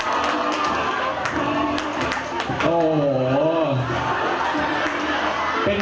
อาสุโนเฟอร์เอ่ย